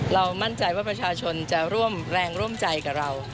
มั่นใจว่าประชาชนจะร่วมแรงร่วมใจกับเรา